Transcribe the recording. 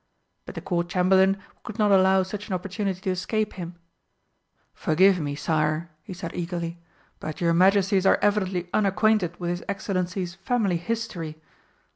But the Court Chamberlain could not allow such an opportunity to escape him. "Forgive me, sire," he said eagerly, "but your Majesties are evidently unacquainted with his Excellency's family history.